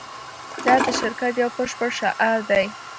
دا د شرکت یو بشپړ شعار دی